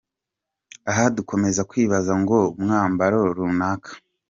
Aha dukomeze kwibaza ngo umwambaro runaka.